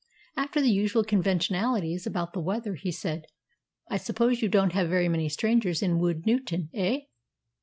After the usual conventionalities about the weather, he said, "I suppose you don't have very many strangers in Woodnewton, eh?"